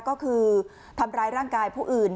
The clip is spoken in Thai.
ก็คือทำร้ายร่างกายผู้อื่น